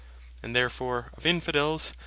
And therefore of Infidels, S.